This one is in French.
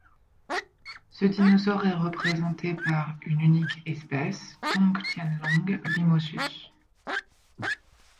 Ce dinosaure est représenté par une unique espèce, Tongtianlong limosus.